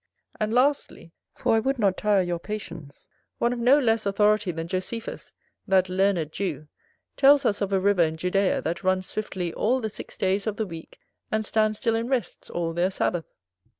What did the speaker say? And lastly, for I would not tire your patience, one of no less authority than Josephus, that learned Jew, tells us of a river in Judea that runs swiftly all the six days of the week, and stands still and rests all their sabbath.